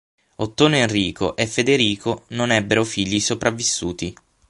Ottone Enrico e Federico non ebbero figli sopravvissuti.